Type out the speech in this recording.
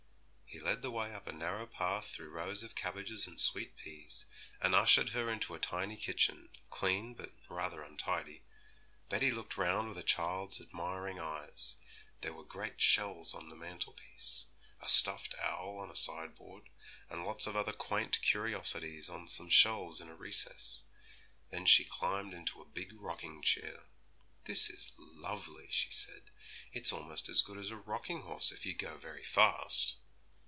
He led the way up a narrow path through rows of cabbages and sweet peas, and ushered her into a tiny kitchen, clean, but rather untidy. Betty looked round with a child's admiring eyes. There were great shells on the mantelpiece, a stuffed owl on a sideboard, and lots of other quaint curiosities on some shelves in a recess. Then she climbed into a big rocking chair. 'This is lovely,' she said; 'it's almost as good as a rocking horse, if you go very fast.'